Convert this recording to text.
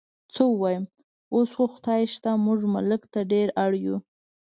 څه ووایم، اوس خو خدای شته موږ ملک ته ډېر اړ یو.